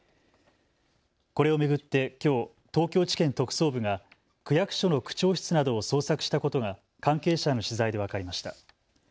これを巡ってきょう東京地検特捜部が区役所の区長室などを捜索したことが関係者への取材で分かりました。